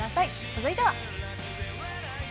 続いては。